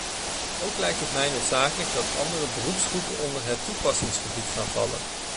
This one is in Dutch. Ook lijkt het mij noodzakelijk dat andere beroepsgroepen onder het toepassingsgebied gaan vallen.